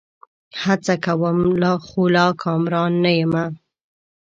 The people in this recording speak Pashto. هڅه کوم؛ خو لا کامران نه یمه